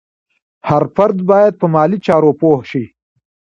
هر فرد باید په مالي چارو پوه شي.